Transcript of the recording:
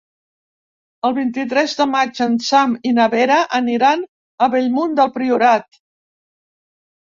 El vint-i-tres de maig en Sam i na Vera aniran a Bellmunt del Priorat.